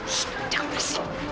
ssst jangan berisi